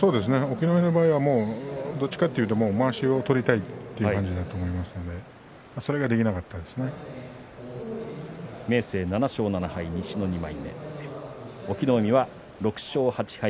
隠岐の海の場合はどちらかというとまわしを取りたいという感じだと思いますので明生７勝７敗西の２枚目、隠岐の海は６勝８敗